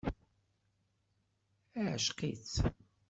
Iεceq-itt.